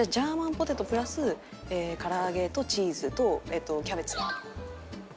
ポテトプラスからあげとチーズとえっとキャベツ。